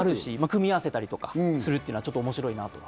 組み合わせたりするっていうのは、ちょっと面白いなって。